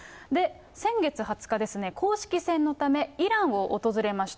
先月２０日ですね、公式戦のため、イランを訪れました。